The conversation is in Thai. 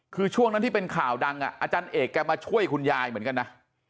คือช่วงนั้นที่เป็นข่าวดังอาจารย์เอกแกมาช่วยคุณยายเหมือนกันนะ